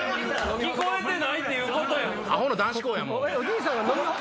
聞こえてないってことやん。